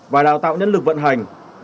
và đào tạo nhân lực vận hành